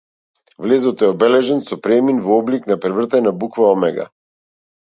Влезот е обележан со премин во облик на превртена буква омега.